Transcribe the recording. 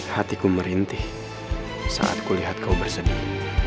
hati ku merintih saat kulihat kau bersedih